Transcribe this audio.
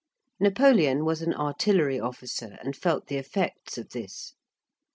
Napoleon was an artillery officer, and felt the effects of this.